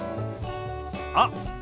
あっ！